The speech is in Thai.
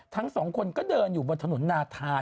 ทั้งสองคนก็เดินอยู่บนถนนนาธาน